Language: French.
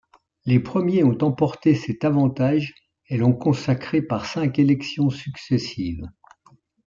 Les premiers ont emporté cet avantage et l'ont consacré par cinq élections successives.